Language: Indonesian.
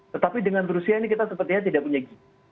tetapi dengan rusia ini kita sepertinya tidak punya gizi